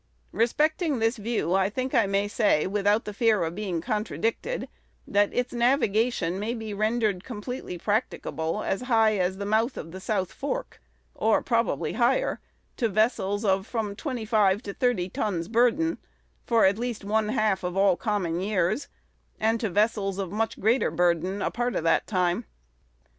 Respecting this view, I think I may say, without the fear of being contradicted, that its navigation may be rendered completely practicable as high as the mouth of the South Fork, or probably higher, to vessels of from twenty five to thirty tons' burden, for at least one half of all common years, and to vessels of much greater burden a part of the time.